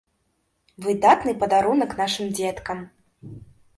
Выдатны падарунак нашым дзеткам!